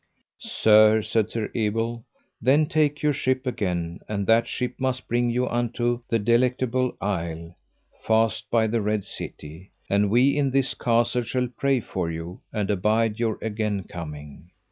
Sir, said Sir Ebel, then take your ship again, and that ship must bring you unto the Delectable Isle, fast by the Red City, and we in this castle shall pray for you, and abide your again coming.